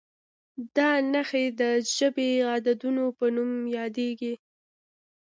دا نښې د عربي عددونو په نوم یادېږي.